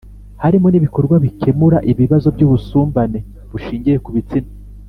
harimo n'ibikorwa bikemura ibibazo by'ubusumbane bushingiye ku bitsina,